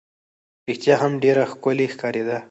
رښتیا هم ډېره ښکلې ښکارېده.